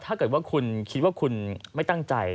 ถ้าเกิดว่าคุณคิดว่าคุณไม่ตั้งใจ